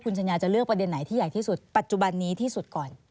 สัญญาจะเลือกประเด็นไหนที่ใหญ่ที่สุดปัจจุบันนี้ที่สุดก่อน